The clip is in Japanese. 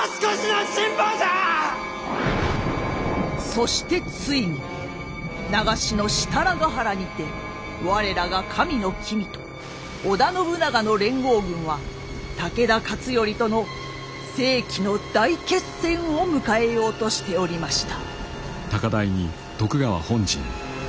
そしてついに長篠設楽原にて我らが神の君と織田信長の連合軍は武田勝頼との世紀の大決戦を迎えようとしておりました。